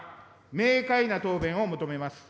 明快な答弁を求めます。